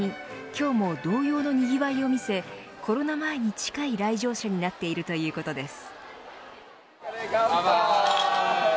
今日も同様のにぎわいを見せコロナ前に近い来場者になっているということです。